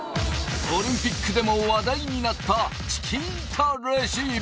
オリンピックでも話題になったチキータレシーブ